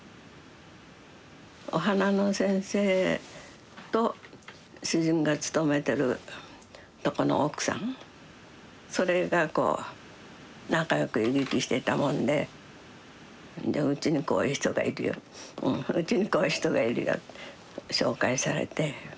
お花の先生と主人が勤めてるとこの奥さんそれがこう仲良く行き来してたもんででうちにこういう人がいるようちにこういう人がいるよ紹介されて。